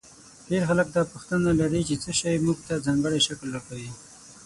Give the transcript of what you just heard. ډېر خلک دا پوښتنه لري چې څه شی موږ ته ځانګړی شکل راکوي.